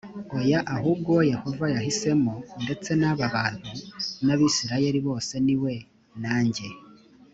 oya ahubwo uwo yehova yahisemo ndetse n aba bantu n abisirayeli bose ni we nanjye